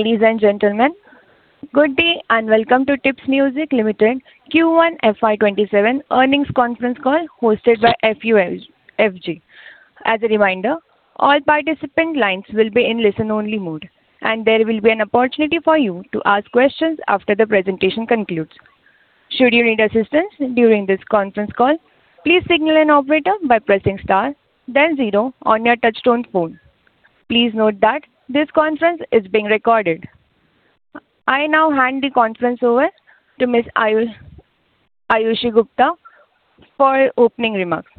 Ladies and gentlemen, good day and welcome to Tips Music Limited Q1 FY 2027 earnings conference call hosted by MUFG. As a reminder, all participant lines will be in listen-only mode, and there will be an opportunity for you to ask questions after the presentation concludes. Should you need assistance during this conference call, please signal an operator by pressing star then zero on your touchtone phone. Please note that this conference is being recorded. I now hand the conference over to Ms. Ayushi Gupta for opening remarks.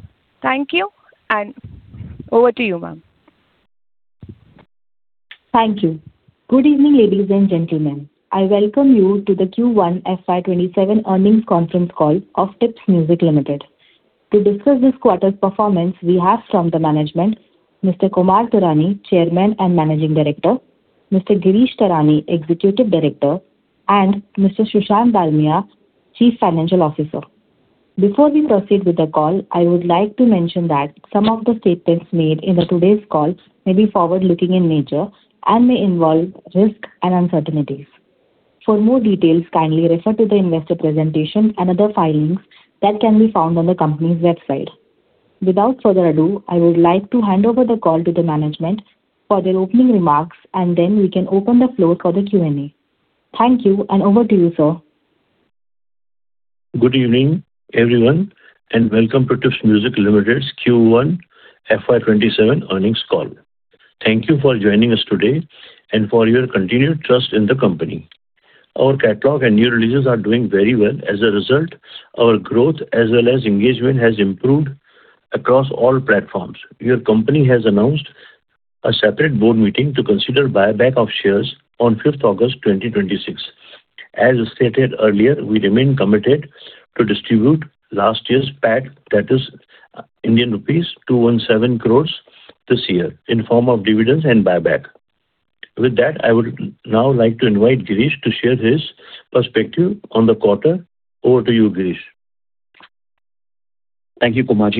Thank you, and over to you, ma'am. Thank you. Good evening, ladies and gentlemen. I welcome you to the Q1 FY 2027 earnings conference call of Tips Music Limited. To discuss this quarter's performance we have from the management, Mr. Kumar Taurani, Chairman and Managing Director, Mr. Girish Taurani, Executive Director, and Mr. Sushant Dalmia, Chief Financial Officer. Before we proceed with the call, I would like to mention that some of the statements made in today's call may be forward-looking in nature and may involve risks and uncertainties. For more details, kindly refer to the investor presentation and other filings that can be found on the company's website. Without further ado, I would like to hand over the call to the management for their opening remarks. Then we can open the floor for the Q&A. Thank you, and over to you, sir. Good evening, everyone. Welcome to Tips Music Limited's Q1 FY 2027 earnings call. Thank you for joining us today and for your continued trust in the company. Our catalog and new releases are doing very well. As a result, our growth as well as engagement has improved across all platforms. Your company has announced a separate board meeting to consider buyback of shares on 5th August 2026. As stated earlier, we remain committed to distribute last year's PAT, that is Indian rupees 217 crores this year in form of dividends and buyback. With that, I would now like to invite Girish to share his perspective on the quarter. Over to you, Girish. Thank you, Kumar.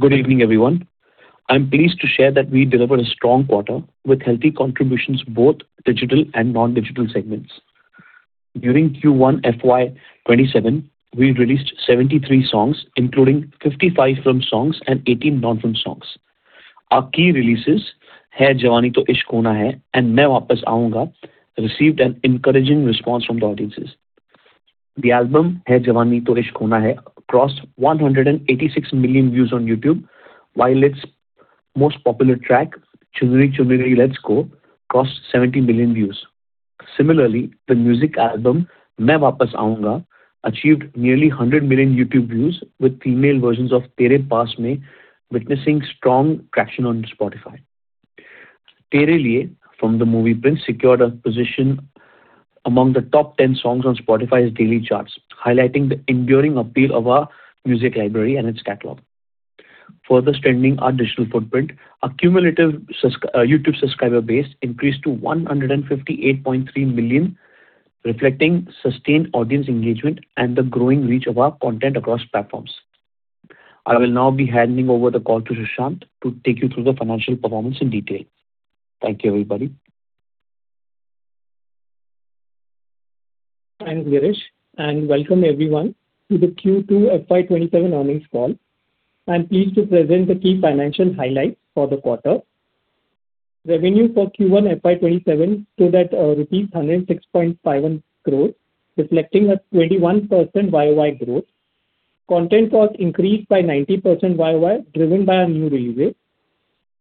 Good evening, everyone. I'm pleased to share that we delivered a strong quarter with healthy contributions, both digital and non-digital segments. During Q1 FY 2027, we released 73 songs, including 55 film songs and 18 non-film songs. Our key releases, "Hai Jawani Toh Ishq Hona Hai" and "Main Vaapas Aaunga" received an encouraging response from the audiences. The album "Hai Jawani Toh Ishq Hona Hai" crossed 186 million views on YouTube, while its most popular track, "Chunnari Chunnari - Let's Go," crossed 70 million views. Similarly, the music album "Main Vaapas Aaunga" achieved nearly 100 million YouTube views, with female versions of "Tere Paas Mein" witnessing strong traction on Spotify. "Tere Liye" from the movie "Prince" secured a position among the top 10 songs on Spotify's daily charts, highlighting the enduring appeal of our music library and its catalog. Further strengthening our digital footprint, our cumulative YouTube subscriber base increased to 158.3 million, reflecting sustained audience engagement and the growing reach of our content across platforms. I will now be handing over the call to Sushant to take you through the financial performance in detail. Thank you, everybody. Thanks, Girish, and welcome, everyone, to the Q1 FY 2027 earnings call. I am pleased to present the key financial highlights for the quarter. Revenue for Q1 FY 2027 stood at rupees 106.51 crores, reflecting a 21% year-over-year growth. Content cost increased by 90% year-over-year, driven by our new releases.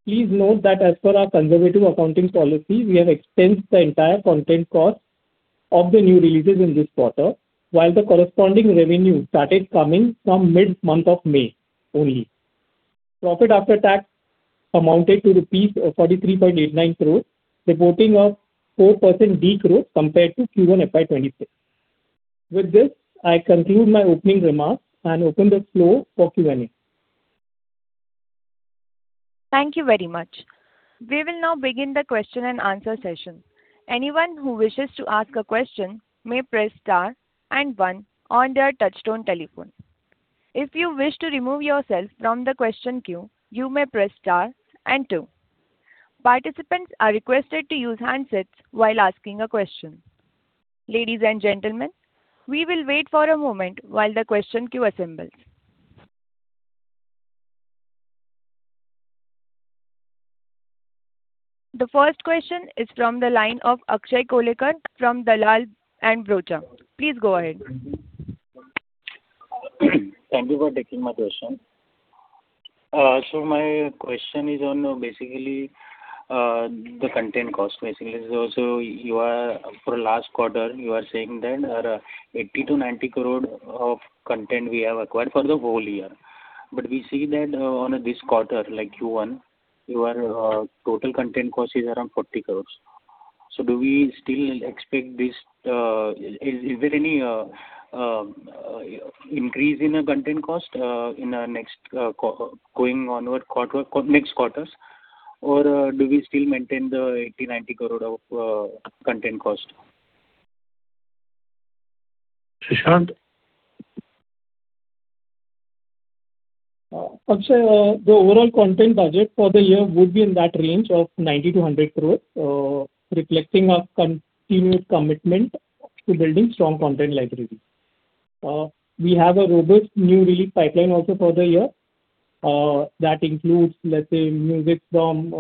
Please note that as per our conservative accounting policy, we have expensed the entire content cost of the new releases in this quarter, while the corresponding revenue started coming from mid-month of May only. Profit after tax amounted to rupees 43.89 crores, reporting a 4% de-growth compared to Q1 FY 2026. With this, I conclude my opening remarks and open the floor for Q&A. Thank you very much. We will now begin the question and answer session. Anyone who wishes to ask a question may press star and one on their touchtone telephone. If you wish to remove yourself from the question queue, you may press star and two. Participants are requested to use handsets while asking a question. Ladies and gentlemen, we will wait for a moment while the question queue assembles. The first question is from the line of Akshay Kolekar from Dalal & Broacha. Please go ahead. Thank you for taking my question. My question is on basically the content cost. For last quarter, you are saying that 80 crorec-INR 90 crorec of content we have acquired for the whole year. We see that on this quarter, like Q1, your total content cost is around 40 crores. Is there any increase in content cost going onward next quarters? Or do we still maintain the 80 crorec-INR 90 crorec of content cost? Sushant? Akshay, the overall content budget for the year would be in that range of 90 crores-100 crores, reflecting our continued commitment to building strong content libraries. We have a robust new release pipeline also for the year. That includes music from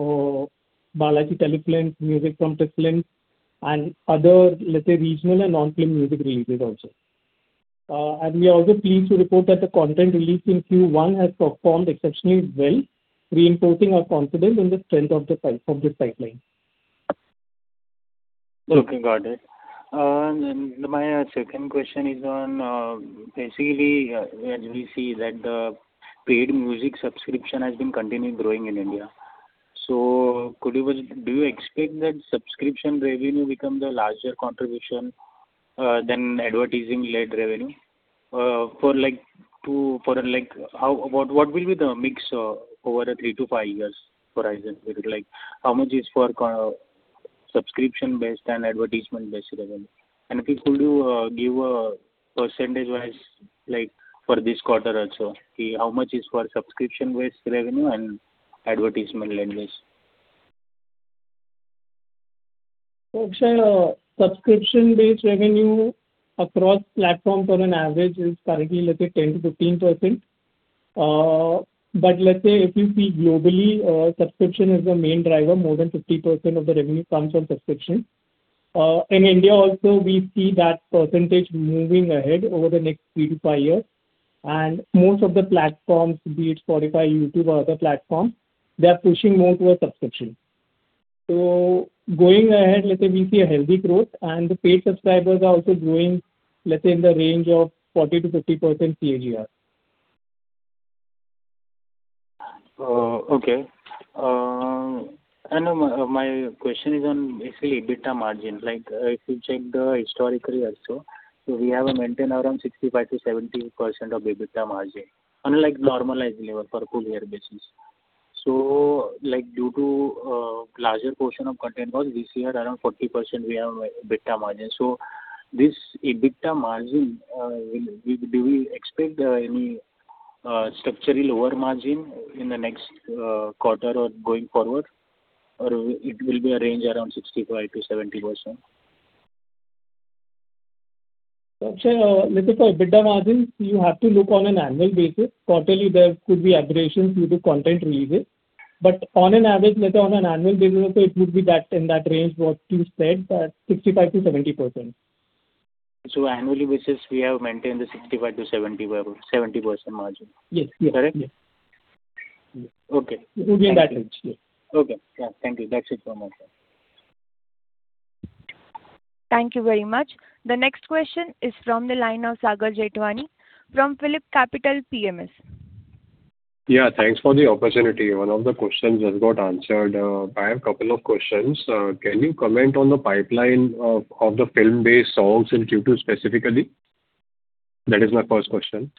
Balaji Telefilms, music from Tips Films and other regional and non-film music releases also. We are also pleased to report that the content released in Q1 has performed exceptionally well, reinforcing our confidence in the strength of this pipeline. Okay, got it. My second question is on, as we see that the paid music subscription has been continually growing in India. Do you expect that subscription revenue become the larger contribution than advertising-led revenue? What will be the mix over a three to five years horizon? How much is for subscription-based and advertisement-based revenue? If you could you give a percentage-wise for this quarter also, how much is for subscription-based revenue and advertisement-led based? Akshay, subscription-based revenue across platform on an average is currently 10%-15%. If you see globally, subscription is the main driver. More than 50% of the revenue comes from subscription. In India also, we see that percentage moving ahead over the next three to five years. Most of the platforms, be it Spotify, YouTube, or other platforms, they're pushing more towards subscription. Going ahead, we see a healthy growth, and the paid subscribers are also growing in the range of 40%-50% CAGR. Okay. My question is on EBITDA margin. If you check the historical year, we have maintained around 65%-70% of EBITDA margin on a normalized level per full year basis. Due to larger portion of content cost this year, around 40% we have EBITDA margin. This EBITDA margin, do we expect any structurally lower margin in the next quarter or going forward? It will be a range around 65%-70%? Akshay, let's say, for EBITDA margin, you have to look on an annual basis. Quarterly there could be aberrations due to content releases. On an average, let's say, on an annual basis, it would be in that range what you said, that 65%-70%. Annually basis, we have maintained the 65%-70% margin. Correct? Yes. Okay. It will be in that range, yes. Okay. Yeah. Thank you. That's it from my side. Thank you very much. The next question is from the line of Sagar Jethwani from PhillipCapital PMS. Yeah, thanks for the opportunity. One of the questions just got answered. I have couple of questions. Can you comment on the pipeline of the film-based songs in Q2 specifically? That is my first question.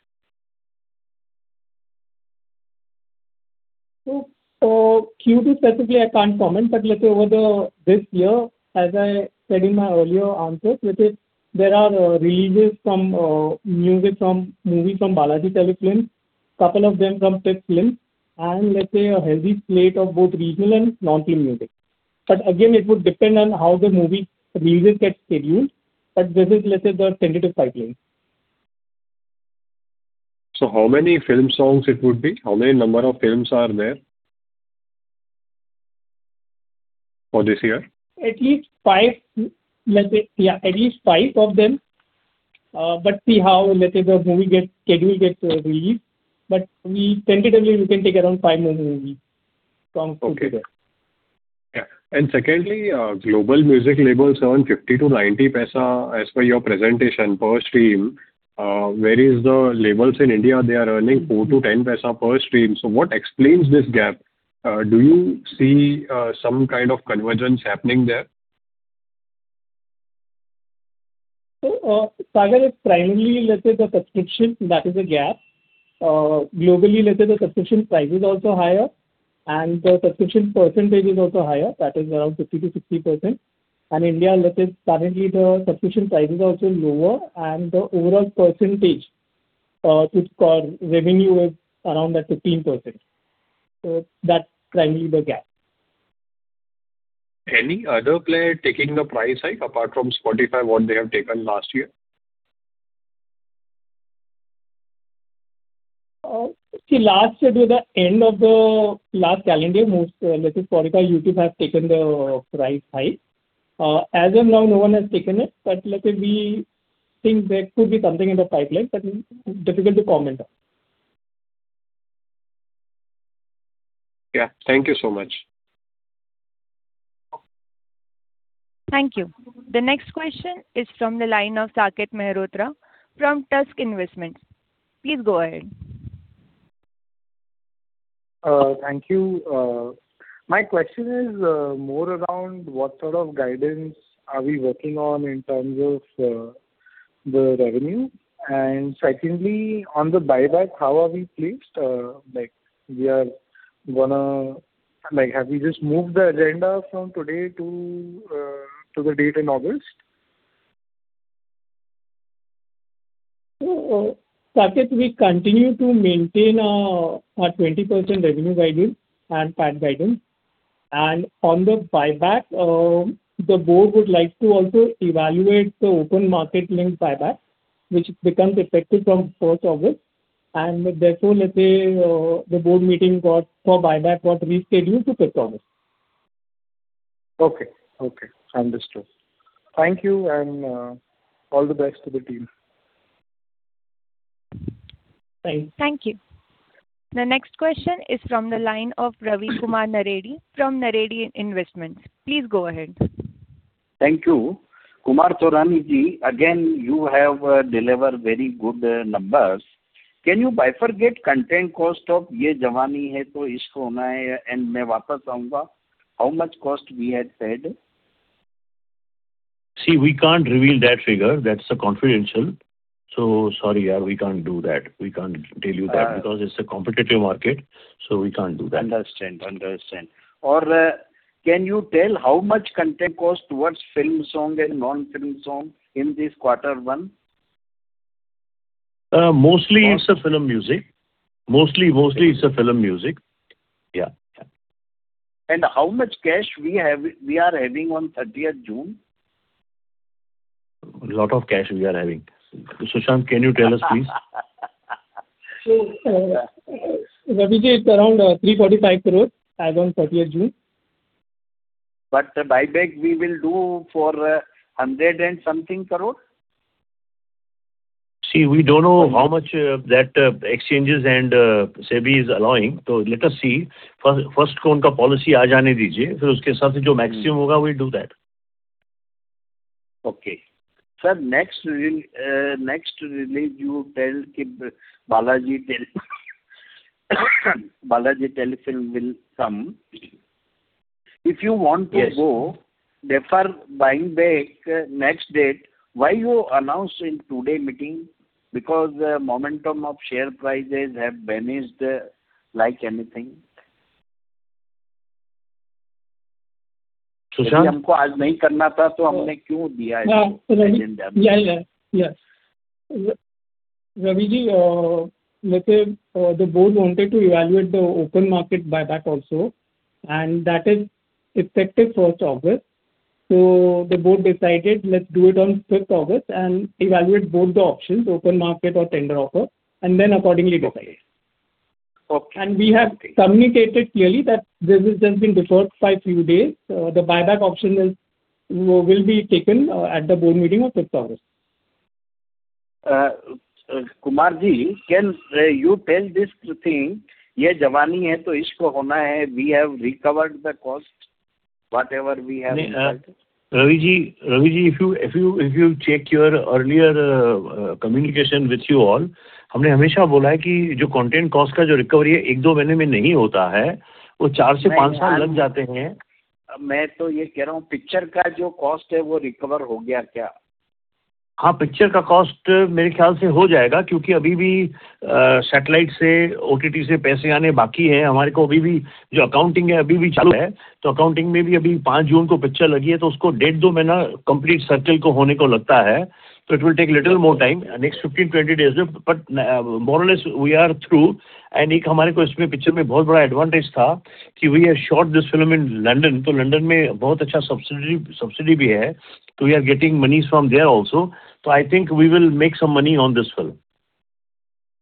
Q2 specifically, I can't comment. Let's say, over this year, as I said in my earlier answers, let's say there are releases from music from movie from Balaji Telefilms, couple of them from Tips Films, let's say a healthy slate of both regional and non-film music. Again, it would depend on how the movie releases get scheduled, but this is, let's say, the tentative pipeline. How many film songs it would be? How many number of films are there for this year? At least five of them. See how the movie schedule gets released. Tentatively, we can take around five movies from Q2. Okay. Yeah. Secondly, global music labels earn 0.50-0.90 as per your presentation per stream. Whereas the labels in India, they are earning 0.04-0.10 per stream. What explains this gap? Do you see some kind of convergence happening there? Sagar, it's primarily, let's say, the subscription that is the gap. Globally, let's say, the subscription price is also higher, and the subscription percentage is also higher. That is around 50%-60%. India, let's say, currently the subscription prices are also lower, and the overall percentage, or revenue is around at 15%. That's primarily the gap. Any other player taking the price hike apart from Spotify, what they have taken last year? Last, the end of the last calendar, Spotify, YouTube have taken the price hike. As of now, no one has taken it, we think there could be something in the pipeline, difficult to comment on. Thank you so much. Thank you. The next question is from the line of Saket Mehrotra from Tusk Investments. Please go ahead. Thank you. My question is more around what sort of guidance are we working on in terms of the revenue? Secondly, on the buyback, how are we placed? Have we just moved the agenda from today to the date in August? Saket, we continue to maintain our 20% revenue guidance and PAT guidance. On the buyback, the Board would like to also evaluate the open market link buyback, which becomes effective from 1st of August. Therefore, the board meeting for buyback got rescheduled to 5th of August. Okay. Understood. Thank you, and all the best to the team. Thanks. Thank you. The next question is from the line of Ravi Kumar Naredi from Naredi Investments. Please go ahead. Thank you. Kumar Taurani, again, you have delivered very good numbers. Can you bifurcate content cost of "Hai Jawani Toh Ishq Hona Hai" and "Main Vaapas Aaunga"? How much cost we had paid? See, we can't reveal that figure. That's confidential. Sorry, we can't do that. We can't tell you that because it's a competitive market, we can't do that. Understand. Can you tell how much content cost towards film song and non-film song in this quarter one? Mostly it's a film music. How much cash we are having on 30th of June? A lot of cash we are having. Sushant, can you tell us please? Ravi, it's around 345 crores as on 30th of June. The buyback we will do for 100 and something crores? See, we don't know how much that exchanges and SEBI is allowing. Let us see. First policy come, according to that the maximum will be, we'll do that. Okay. Sir, next release you tell Balaji Telefilms will come. If you want to go, defer buying back next date, why you announce in today meeting? Momentum of share prices have banished like anything. Sushant? If we didn't want to do it today, why did we give it on the agenda? Yeah. Ravi, the Board wanted to evaluate the open market buyback also. That is effective 1st of August. The Board decided, let's do it on 5th of August and evaluate both the options, open market or tender offer, and then accordingly decide. Okay. We have communicated clearly that this has just been deferred by few days. The buyback option will be taken at the Board meeting on 5th of August. Kumar, can you tell this thing, "Yeh Jawaani Hai Deewani," we have recovered the cost, whatever we have invested? Ravi, if you check your earlier communication with you all, we have always said that the content cost recovery does not happen in one or two months, it takes four to five years. I am saying, has the cost of the picture been recovered? Yes, I think the picture cost will be recovered because we still have to receive money from satellite and OTT. Our accounting is still ongoing. In the accounting, the picture was released on 5th of June, it takes 1.5 to two months to complete the circle. It will take little more time, next 15, 20 days, more or less, we are through. We had a big advantage in this picture, that we had shot this film in London, there is a very good subsidy in London, we are getting money from there also. I think we will make some money on this film.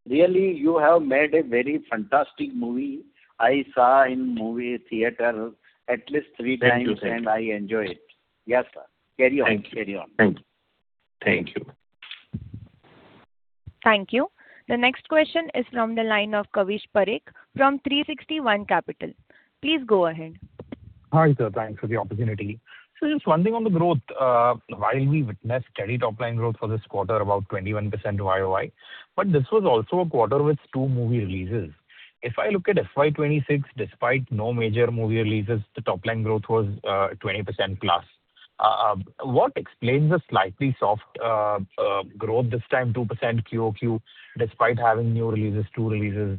Really, you have made a very fantastic movie. I saw in movie theater at least 3x. Thank you. I enjoy it. Yes, sir. Carry on. Thank you. Thank you. The next question is from the line of Kavish Parekh from 360 ONE Capital. Please go ahead. Hi, sir. Thanks for the opportunity. Just one thing on the growth. While we witnessed steady top-line growth for this quarter, about 21% YoY, but this was also a quarter with two movie releases. If I look at FY 2026, despite no major movie releases, the top-line growth was +20%. What explains the slightly soft growth this time, 2% QoQ, despite having new releases, two releases,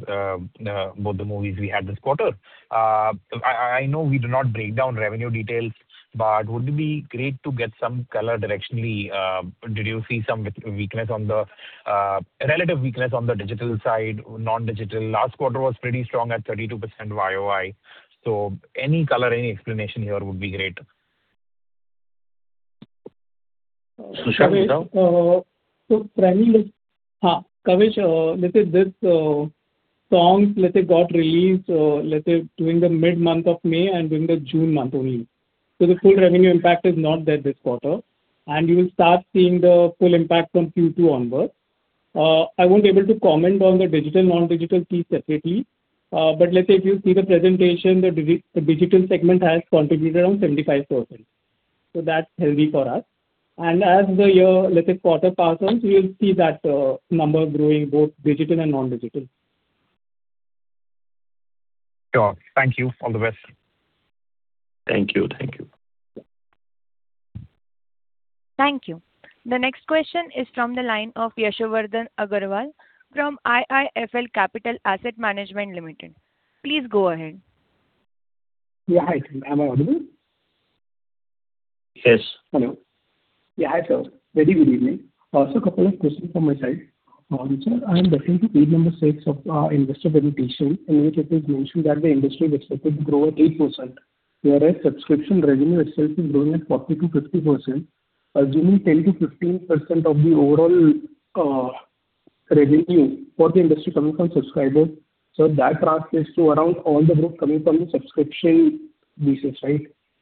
both the movies we had this quarter. I know we do not break down revenue details, but would it be great to get some color directionally? Did you see some relative weakness on the digital side, non-digital? Last quarter was pretty strong at 32% YoY. Any color, any explanation here would be great. Sushant, tell. Yes, Kavish, these songs got released during the mid month of May and during the June month only. The full revenue impact is not there this quarter, and you will start seeing the full impact from Q2 onwards. I won't be able to comment on the digital, non-digital piece separately. If you see the presentation, the digital segment has contributed around 75%. That's healthy for us. As the year, quarter passes, we'll see that number growing both digital and non-digital. Sure. Thank you. All the best. Thank you. Thank you. The next question is from the line of Yashowardhan Agarwal from IIFL Capital Asset Management Limited. Please go ahead. Yeah, hi. Am I audible? Yes. Hello. Yeah, hi, sir. Very good evening. Sir, a couple of questions from my side. Sir, I'm referring to page number six of investor presentation, in which it is mentioned that the industry is expected to grow at 8%, whereas subscription revenue itself is growing at 40%-50%. Assuming 10%-15% of the overall revenue for the industry coming from subscribers. Sir, that translates to around on the group coming from the subscription basis, right?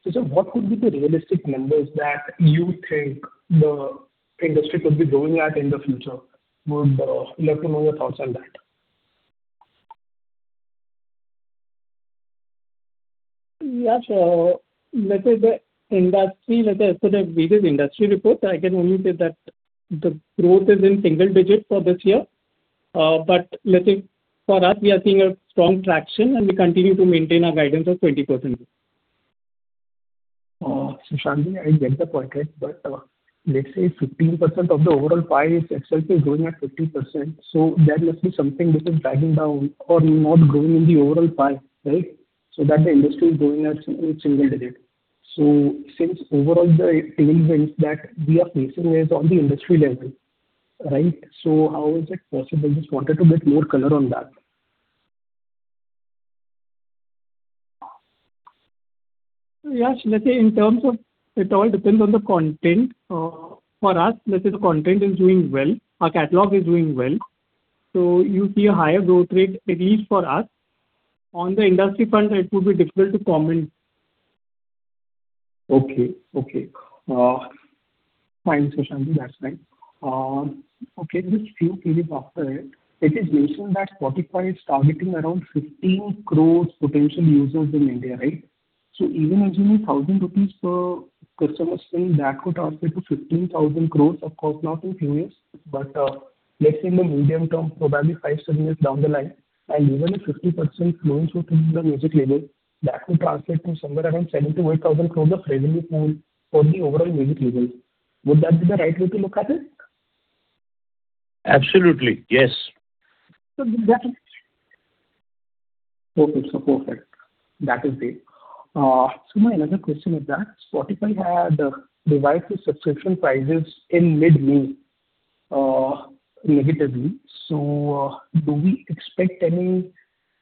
Sir, what could be the realistic numbers that you think the industry could be growing at in the future? Would love to know your thoughts on that. Yeah, let's say the industry report, I can only say that the growth is in single digit for this year. Let's say for us, we are seeing a strong traction and we continue to maintain our guidance of 20%. Sushant, I get the point, let's say 15% of the overall pie itself is growing at 50%. There must be something which is dragging down or not growing in the overall pie, right? That the industry is growing at single digit. Since overall the tailwinds that we are facing is on the industry level, right? How is it possible? Just wanted to get more color on that. Yeah. Let's say it all depends on the content. For us, let's say the content is doing well, our catalog is doing well. You see a higher growth rate, at least for us. On the industry front, it would be difficult to comment. Okay. Fine, Sushant. That's fine. Okay, just few pages after it. It is mentioned that Spotify is targeting around 15 crores potential users in India, right? Even assuming 1,000 rupees per customer spend, that could translate to 15,000 crores. Of course, not in few years, but let's say in the medium term, probably five to seven years down the line. Even if 50% flows through to the music label, that would translate to somewhere around 7,000 crores-8,000 crores of revenue pool for the overall music label. Would that be the right way to look at it? Absolutely, yes. Perfect. That is there. My another question is that Spotify had revised the subscription prices in mid-May negatively. Do we expect any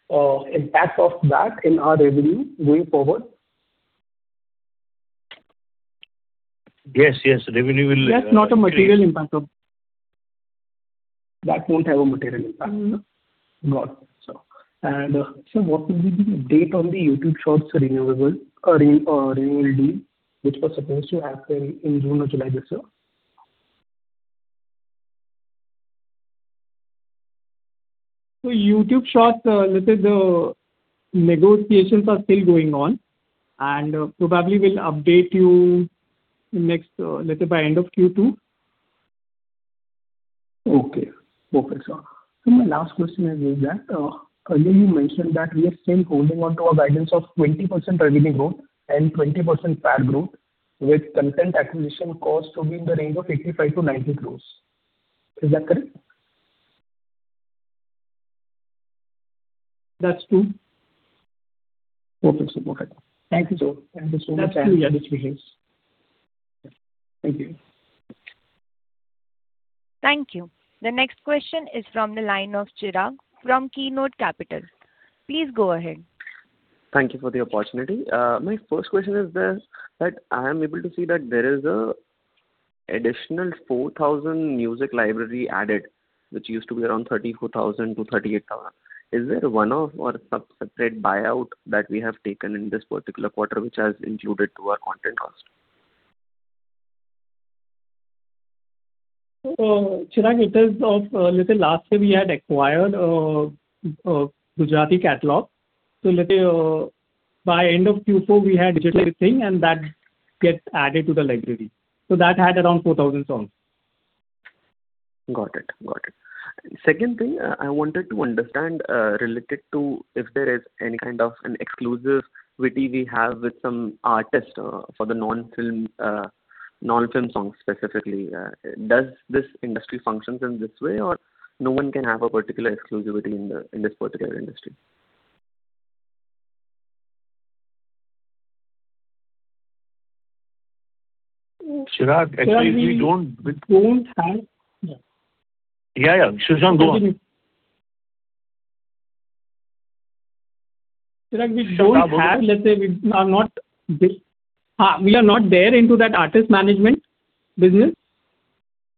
impact of that in our revenue going forward? Yes. Revenue. Yes, not a material impact of That won't have a material impact? No. Got it, sir. Sir, what will be the date on the YouTube Shorts renewable deal, which was supposed to happen in June or July this year? YouTube Shorts, let's say the negotiations are still going on, and probably we'll update you let's say by end of Q2. Okay, perfect, sir. Sir, my last question is that earlier you mentioned that we are still holding on to our guidance of 20% revenue growth and 20% PAT growth with content acquisition cost to be in the range of 85 crores-90 crores. Is that correct? That's true. Perfect. Thank you, sir. Thank you so much. That's true, yeah. Thank you. Thank you. The next question is from the line of [Chirag] from Keynote Capital. Please go ahead. Thank you for the opportunity. My first question is this, that I am able to see that there is a additional 4,000 music library added, which used to be around 34,000-38,000. Is there a one-off or separate buyout that we have taken in this particular quarter, which has included to our content cost? Chirag, it is of let's say last year we had acquired a Gujarati catalog. Let's say by end of Q4, we had digitally synced and that gets added to the library. That had around 4,000 songs. Got it. Second thing I wanted to understand, related to if there is any kind of an exclusivity we have with some artist for the non-film songs specifically. Does this industry functions in this way or no one can have a particular exclusivity in this particular industry? Chirag, actually we don't. We don't have. Yeah. Sushant, go on. Chirag, we don't have, let's say we are not there into that artist management business.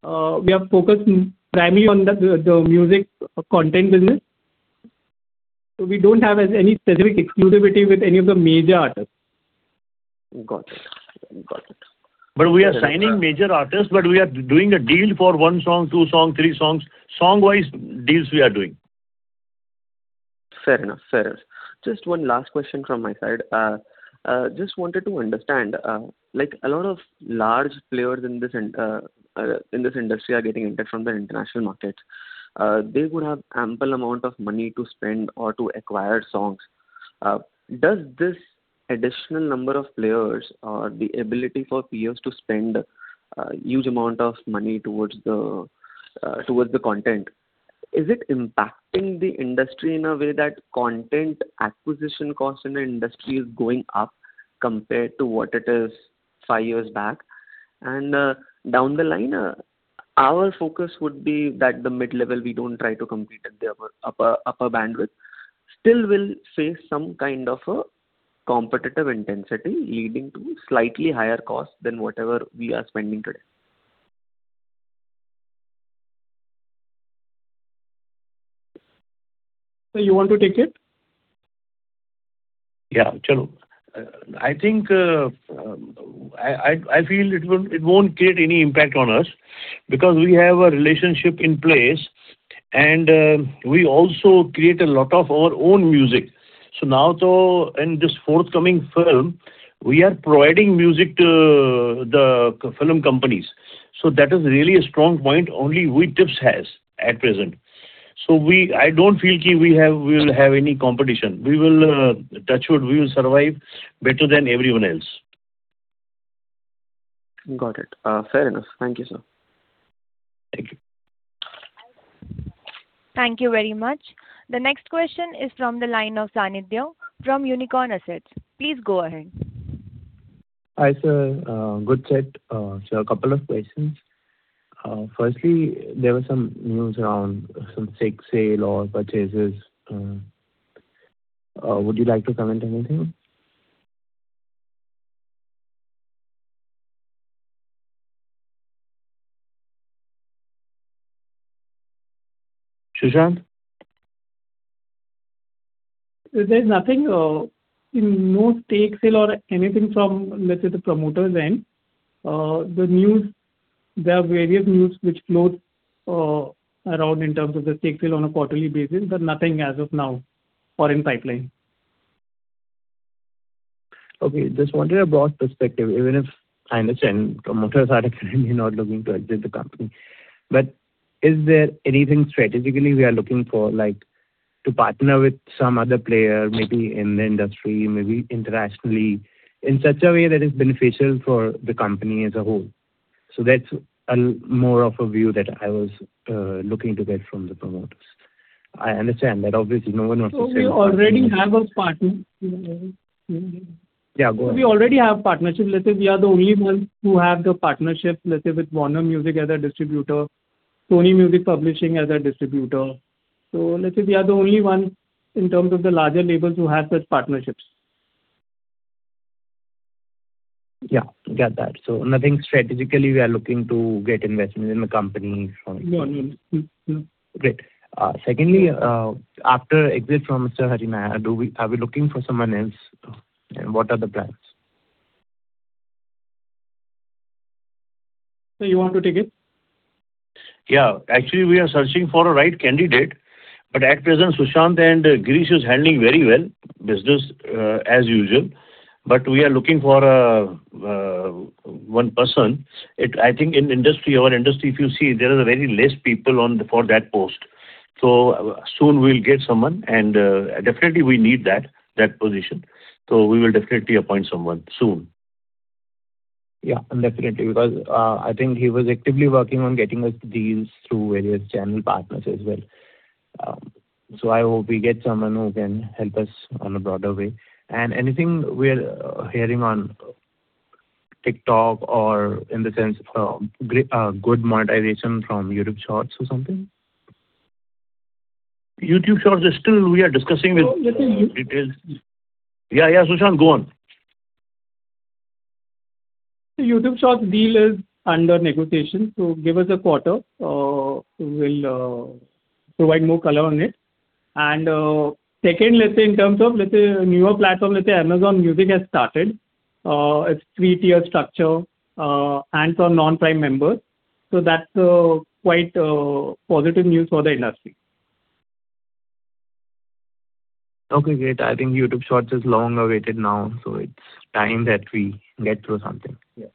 We are focused primarily on the music content business. We don't have any specific exclusivity with any of the major artists. Got it. We are signing major artists, but we are doing a deal for one song, two song, three songs. Song-wise deals we are doing. Fair enough. Just one last question from my side. Just wanted to understand, like a lot of large players in this industry are getting into from the international markets. They would have ample amount of money to spend or to acquire songs. Does this additional number of players or the ability for peers to spend a huge amount of money towards the content Is it impacting the industry in a way that content acquisition cost in the industry is going up compared to what it is five years back? Down the line, our focus would be that the mid-level, we don't try to compete at the upper bandwidth. Still we'll face some kind of a competitive intensity leading to slightly higher cost than whatever we are spending today. Sir, you want to take it? Yeah. I feel it won't create any impact on us because we have a relationship in place, and we also create a lot of our own music. Now, in this forthcoming film, we are providing music to the film companies. That is really a strong point only we, Tips, has at present. I don't feel we will have any competition. Touch wood, we will survive better than everyone else. Got it. Fair enough. Thank you, sir. Thank you. Thank you very much. The next question is from the line of [Sanidya] from Unicorn Assets. Please go ahead. Hi, sir. Good set. Sir, a couple of questions. Firstly, there was some news around some stake sale or purchases. Would you like to comment anything? Sushant? There is nothing. No stake sale or anything from, let's say, the promoter's end. There are various news which float around in terms of the stake sale on a quarterly basis, but nothing as of now or in pipeline. Okay. Just wanted a broad perspective, even if I understand promoters are definitely not looking to exit the company. Is there anything strategically we are looking for, like to partner with some other player, maybe in the industry, maybe internationally, in such a way that is beneficial for the company as a whole? That's more of a view that I was looking to get from the promoters. I understand that obviously no one wants to sell. We already have a partner. Yeah, go on. We already have partnerships. Let's say we are the only ones who have the partnership, let's say, with Warner Music as a distributor, Sony Music Publishing as a distributor. Let's say we are the only one in terms of the larger labels who have such partnerships. Yeah, got that. Nothing strategically we are looking to get investment in the company? No. Great. Secondly, after exit from Mr. Hari Nair, are we looking for someone else? What are the plans? Sir, you want to take it? Yeah. Actually, we are searching for a right candidate. At present, Sushant and Girish is handling very well business as usual. We are looking for one person. I think in our industry, if you see, there are very less people for that post. Soon we'll get someone and definitely we need that position. We will definitely appoint someone soon. I think he was actively working on getting us deals through various channel partners as well. I hope we get someone who can help us on a broader way. Anything we are hearing on TikTok or in the sense good monetization from YouTube Shorts or something? YouTube Shorts is still we are discussing with. No, listen. Yeah, Sushant, go on. YouTube Shorts deal is under negotiation. Give us a quarter. We'll provide more color on it. Second, let's say in terms of newer platform, let's say Amazon Music has started its three-tier structure and for non-Prime members. That's quite a positive news for the industry. Okay, great. I think YouTube Shorts is long awaited now. It's time that we get through something. Yeah.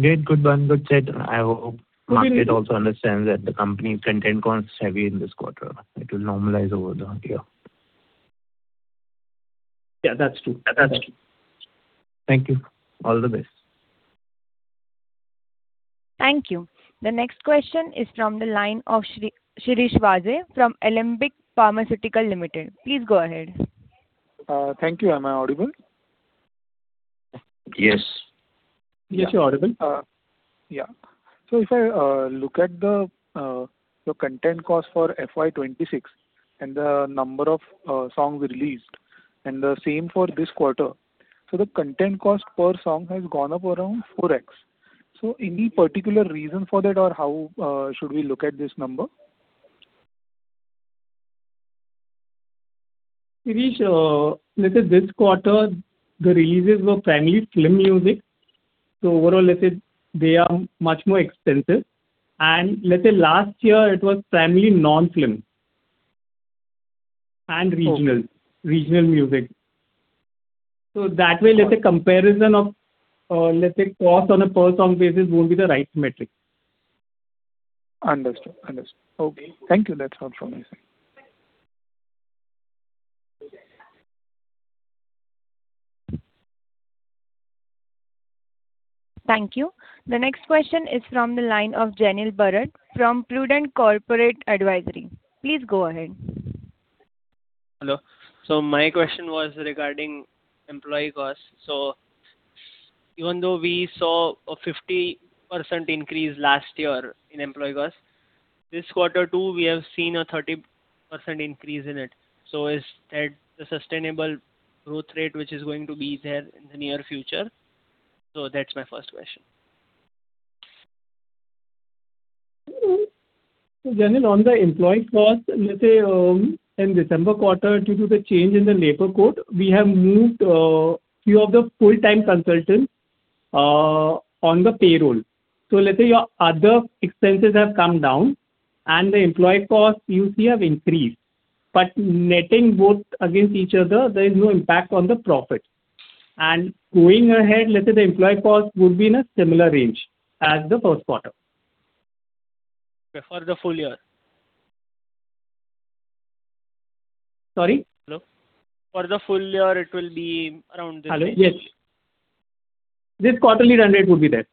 Great. Good one. Good set. I hope market also understands that the company's content cost is heavy in this quarter. It will normalize over the year. Yeah, that's true. Thank you. All the best. Thank you. The next question is from the line of [Shirish Waze] from Alembic Pharmaceuticals Limited. Please go ahead. Thank you. Am I audible? Yes. Yes, you're audible. Yeah. If I look at the content cost for FY 2026 and the number of songs released and the same for this quarter. The content cost per song has gone up around 4x. Any particular reason for that or how should we look at this number? Shirish, let's say this quarter the releases were primarily film music. Overall, let's say they are much more expensive. Let's say last year it was primarily non-film and regional music. That way, let's say comparison of cost on a per song basis won't be the right metric. Understood. Okay. Thank you. That's all from my side. Thank you. The next question is from the line of Jenil Barad from Prudent Corporate Advisory. Please go ahead. Hello. My question was regarding employee cost. Even though we saw a 50% increase last year in employee cost, this quarter too, we have seen a 30% increase in it. Is that the sustainable growth rate which is going to be there in the near future? That's my first question. Jenil, on the employee cost, let's say, in December quarter, due to the change in the labor code, we have moved a few of the full-time consultants on the payroll. Let's say your other expenses have come down and the employee costs you see have increased, but netting both against each other, there is no impact on the profit. Going ahead, let's say the employee cost would be in a similar range as the first quarter. Okay, for the full year? Sorry? Hello. For the full year it will be around this range? Hello. Yes. This quarterly run rate would be there.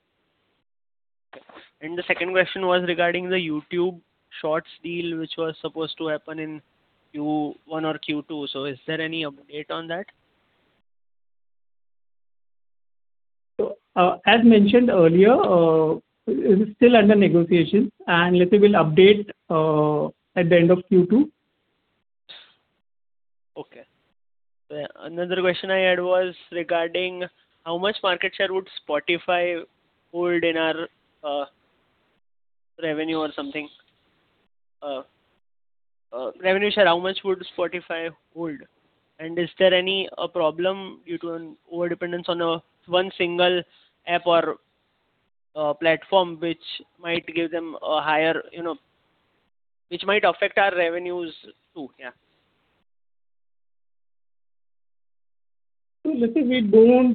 The second question was regarding the YouTube Shorts deal, which was supposed to happen in Q1 or Q2. Is there any update on that? As mentioned earlier, it is still under negotiation, and let's say we'll update at the end of Q2. Okay. Another question I had was regarding how much market share would Spotify hold in our revenue or something. Revenue share, how much would Spotify hold, and is there any problem due to an overdependence on one single app or platform which might affect our revenues too? Yeah. Let's say we don't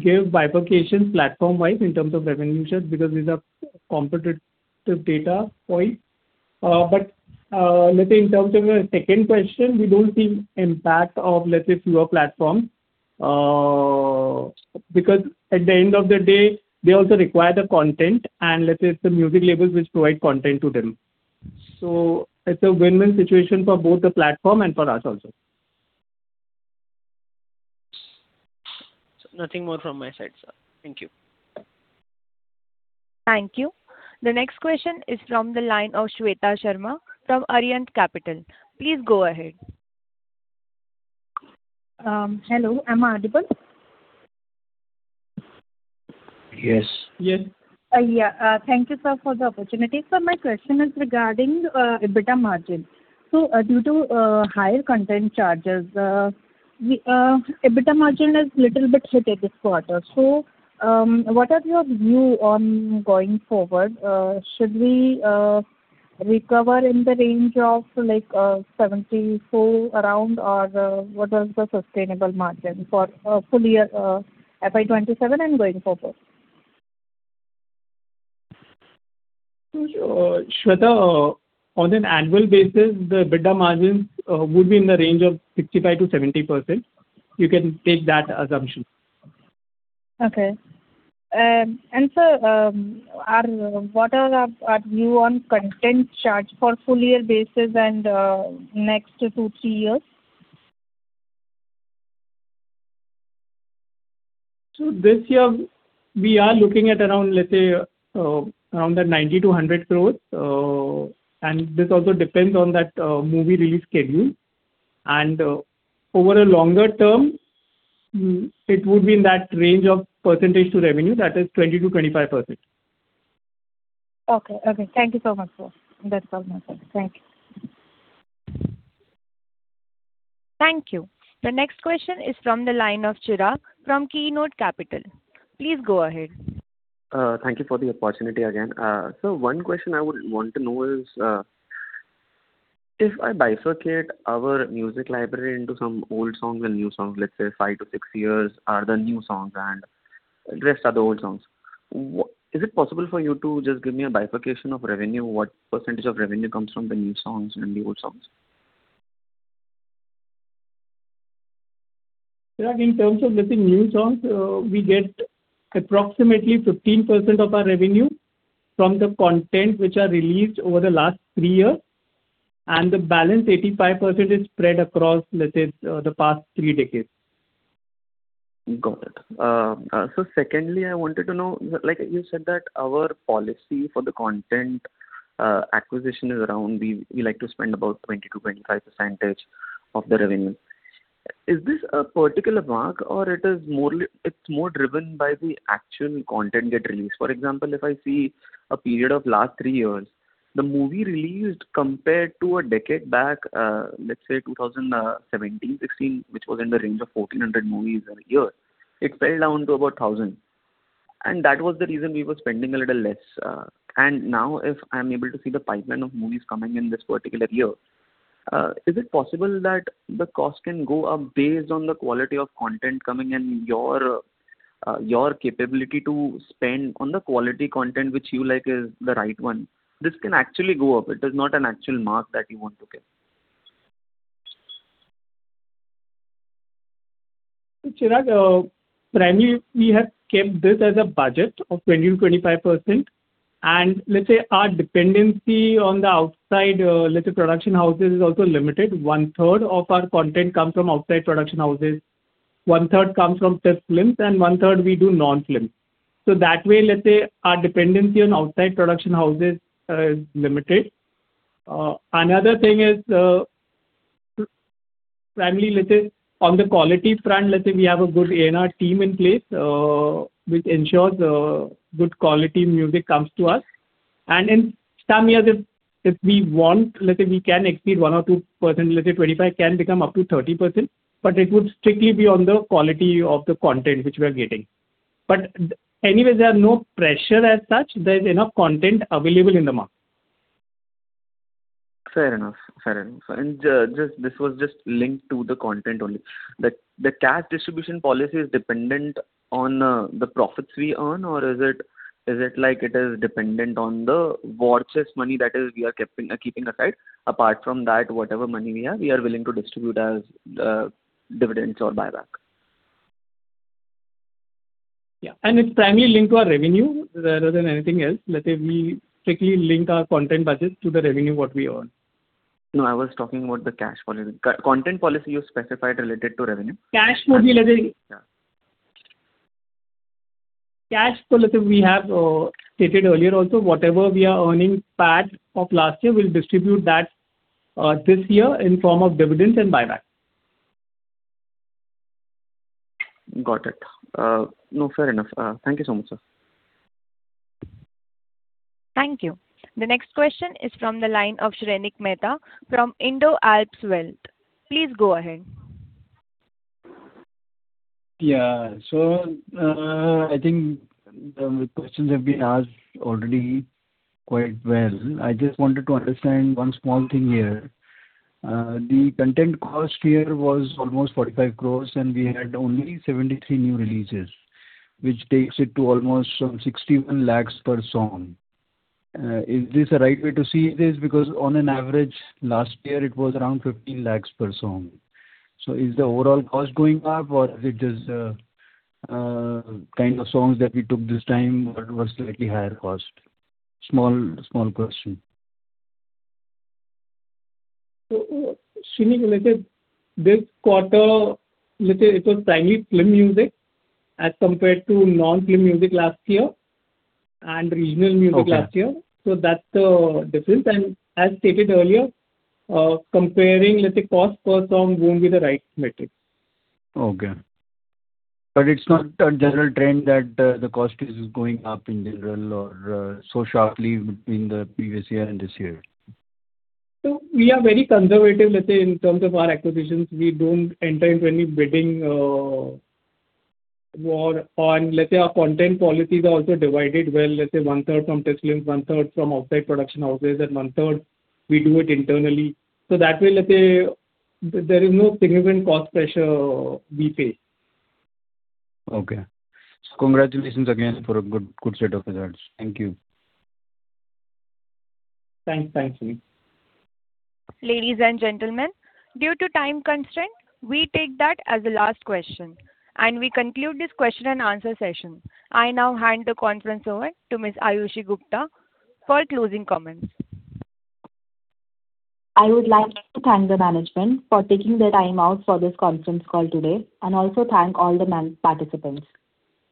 give bifurcations platform-wise in terms of revenue shares because these are competitive data point. Let's say in terms of your second question, we don't see impact of let's say fewer platforms, because at the end of the day, they also require the content and let's say the music labels which provide content to them. It's a win-win situation for both the platform and for us also. Nothing more from my side, sir. Thank you. Thank you. The next question is from the line of Shweta Sharma from Arihant Capital. Please go ahead. Hello, am I audible? Yes. Yes. Yeah. Thank you, sir, for the opportunity. Sir, my question is regarding EBITDA margin. Due to higher content charges, EBITDA margin has little bit hit at this quarter. What are your view on going forward? Should we recover in the range of 74% around or what is the sustainable margin for FY 2027 and going forward? Shweta, on an annual basis, the EBITDA margins would be in the range of 65%-70%. You can take that assumption. Okay. Sir, what are our view on content charge for full year basis and next two to three years? This year we are looking at around, let's say, around that 90 crores-100 crores. This also depends on that movie release schedule. Over a longer term, it would be in that range of percentage to revenue, that is 20%-25%. Okay. Thank you so much, sir. That's all my queries. Thank you. Thank you. The next question is from the line of [Chirag] from Keynote Capital. Please go ahead. Thank you for the opportunity again. Sir, one question I would want to know is, if I bifurcate our music library into some old songs and new songs, let's say five to six years are the new songs and rest are the old songs. Is it possible for you to just give me a bifurcation of revenue? What percentage of revenue comes from the new songs and the old songs? Chirag, in terms of, let's say new songs, we get approximately 15% of our revenue from the content which are released over the last three years, and the balance 85% is spread across, let's say, the past three decades. Got it. Sir, secondly, I wanted to know, you said that our policy for the content acquisition is around we like to spend about 20%-25% of the revenue. Is this a particular mark or it's more driven by the actual content get released? For example, if I see a period of last three years, the movie released compared to a decade back, let's say 2017, 2016, which was in the range of 1,400 movies a year, it fell down to about 1,000. That was the reason we were spending a little less. Now if I'm able to see the pipeline of movies coming in this particular year, is it possible that the cost can go up based on the quality of content coming and your capability to spend on the quality content which you like is the right one? This can actually go up. It is not an actual mark that you want to get. Chirag, primarily we have kept this as a budget of 20%-25%. Let's say our dependency on the outside production houses is also limited. One third of our content comes from outside production houses, 1/3 comes from Tips Films, and 1/3 we do non-films. That way, let's say our dependency on outside production houses is limited. Another thing is, primarily, on the quality front, we have a good A&R team in place, which ensures good quality music comes to us. In some years, if we want, we can exceed 1% or 2%, let's say 25% can become up to 30%, but it would strictly be on the quality of the content which we are getting. Anyway, there is no pressure as such. There's enough content available in the market. Fair enough. This was just linked to the content only. The cash distribution policy is dependent on the profits we earn? Or is it dependent on the war chest money that we are keeping aside, apart from that, whatever money we have, we are willing to distribute as dividends or buyback? Yeah. It's primarily linked to our revenue rather than anything else. We strictly link our content budget to the revenue what we earn. No, I was talking about the cash policy. Content policy you specified related to revenue? Cash policy we have stated earlier also, whatever we are earning PAT of last year, we will distribute that this year in form of dividends and buyback. Got it. No, fair enough. Thank you so much, sir. Thank you. The next question is from the line of Shrenik Mehta from IndoAlps Wealth. Please go ahead. Yeah. I think the questions have been asked already quite well. I just wanted to understand one small thing here. The content cost here was almost 45 crores, we had only 73 new releases, which takes it to almost 61 lakhs per song. Is this the right way to see this? On an average, last year it was around 15 lakhs per song. Is the overall cost going up or is it just kind of songs that we took this time were slightly higher cost? Small question. Shrenik, this quarter it was primarily film music as compared to non-film music last year and regional music last year. Okay. That's the difference. As stated earlier, comparing cost per song won't be the right metric. It's not a general trend that the cost is going up in general or so sharply between the previous year and this year. We are very conservative in terms of our acquisitions. We don't enter into any bidding war. Our content policies are also divided well, 1/3 from Tips Films, 1/3 from outside production houses, and 1/3 we do it internally. That way there is no significant cost pressure we face. Okay. Congratulations again for a good set of results. Thank you. Thanks, Shrenik. Ladies and gentlemen, due to time constraint, we take that as the last question and we conclude this question and answer session. I now hand the conference over to Ms. Ayushi Gupta for closing comments. I would like to thank the management for taking the time out for this conference call today and also thank all the participants.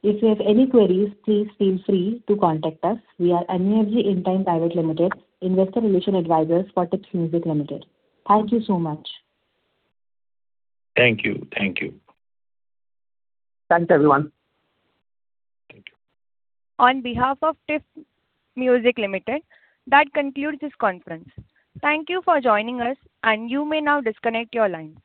If you have any queries, please feel free to contact us. We are MUFG Intime India Private Limited, investor relation advisors for Tips Music Limited. Thank you so much. Thank you. Thanks, everyone. On behalf of Tips Music Limited, that concludes this conference. Thank you for joining us, and you may now disconnect your lines.